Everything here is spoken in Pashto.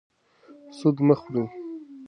سود مه خورئ.